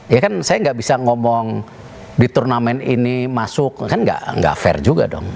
ya kan saya nggak bisa ngomong di turnamen ini masuk kan nggak fair juga dong